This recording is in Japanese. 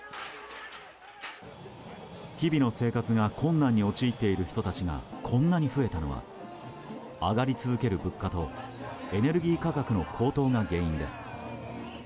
日々の生活が困難に陥っている人たちがこんなに増えたのは上がり続ける物価とエネルギー価格の高騰が原因です。